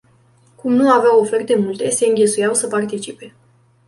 Cum nu aveau oferte multe, se înghesuiau să participe.